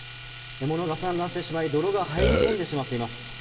物が散乱してしまい泥が入り込んでしまっています。